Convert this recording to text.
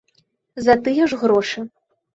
За тыя ж грошы.